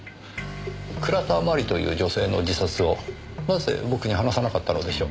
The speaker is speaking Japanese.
倉田真理という女性の自殺をなぜ僕に話さなかったのでしょう？